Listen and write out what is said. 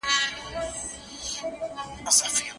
که ته په املا کي هره ورځ یو نوی اصطلاح زده کړې.